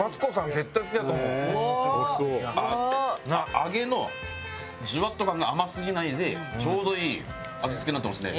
揚げのジュワッと感が甘すぎないでちょうどいい味付けになってますね。